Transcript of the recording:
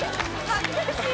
恥ずかしい！